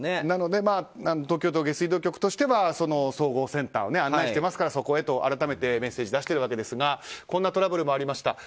なので東京都下水道局としては総合センターをアナウンスしていますからそこへと改めてメッセージを出しているわけですがこんなトラブルもありました。